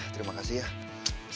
terima kasih ya